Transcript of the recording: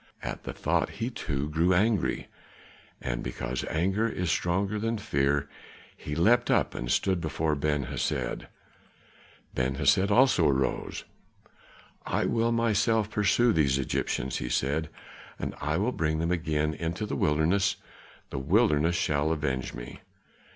At the thought he too grew angry, and because anger is stronger than fear, he leapt up and stood before Ben Hesed. Ben Hesed also arose. "I will myself pursue these Egyptians," he said, "and I will bring them again into the wilderness; the wilderness shall avenge me."